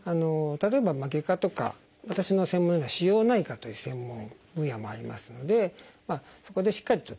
例えば外科とか私の専門のような腫瘍内科という専門分野もありますのでそこでしっかりとですね